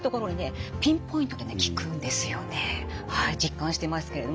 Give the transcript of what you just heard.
実感してますけれども。